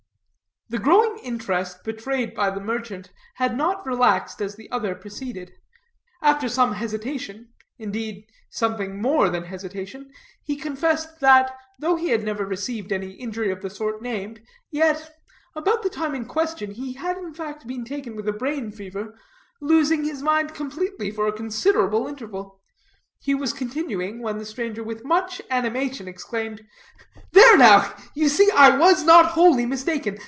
The growing interest betrayed by the merchant had not relaxed as the other proceeded. After some hesitation, indeed, something more than hesitation, he confessed that, though he had never received any injury of the sort named, yet, about the time in question, he had in fact been taken with a brain fever, losing his mind completely for a considerable interval. He was continuing, when the stranger with much animation exclaimed: "There now, you see, I was not wholly mistaken.